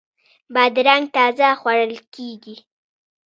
بادرنګ تازه خوړل کیږي.